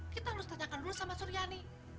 kita harus tanyakan dulu sama suryani